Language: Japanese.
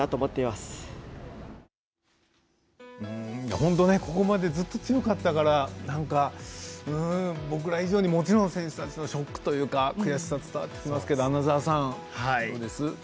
本当、ここまでずっと強かったから僕ら以上にもちろん選手たちのショックというか悔しさ伝わってきますけど穴澤さん、どうです？